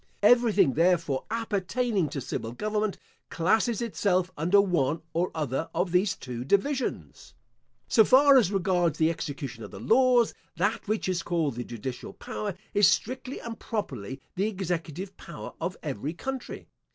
Everything, therefore, appertaining to civil government, classes itself under one or other of these two divisions. So far as regards the execution of the laws, that which is called the judicial power, is strictly and properly the executive power of every country.